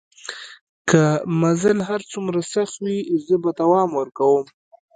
که مزل هر څومره سخت وي زه به دوام ورکوم.